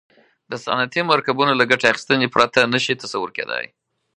د صنعتي مرکبونو له ګټې اخیستنې پرته نه شي تصور کیدای.